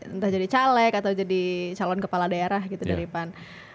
entah jadi caleg atau jadi calon kepala daerah gitu dari pan